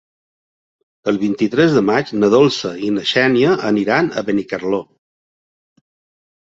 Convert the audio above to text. El vint-i-tres de maig na Dolça i na Xènia aniran a Benicarló.